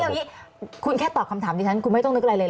เอาอย่างนี้คุณแค่ตอบคำถามดิฉันคุณไม่ต้องนึกอะไรเลย